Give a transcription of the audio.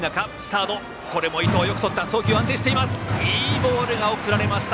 いいボールが送られました。